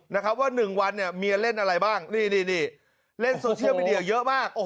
ว่า๑วันเนี่ยเมียเล่นอะไรบ้างนี่เล่นโซเชียลมีเดียเยอะมาก